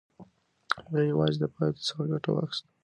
هغې یوازې د پایلې څخه ګټه واخیسته.